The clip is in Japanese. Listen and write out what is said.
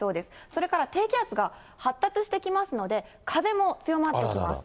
それから低気圧が発達してきますので、風も強まってきます。